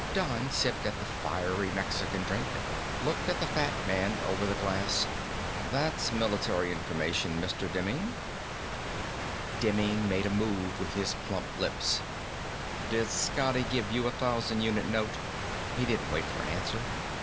Don sipped at the fiery Mexican drink, looked at the fat man over the glass. "That's military information, Mr. Demming." Demming made a move with his plump lips. "Did Scotty give you a thousand unit note?" He didn't wait for an answer.